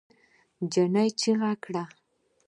نجلۍ چيغه کړه.